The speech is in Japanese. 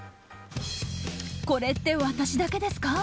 これって私だけですか？